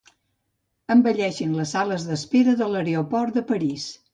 Embelleixin les sales d'espera de l'aeroport de París.